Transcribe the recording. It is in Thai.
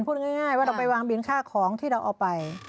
พูดง่ายว่าเราไปวางบินค่าของที่เราเอาไป